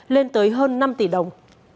lên tới hơn năm tỷ đồng